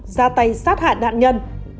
ra tay sát hại đạn nhân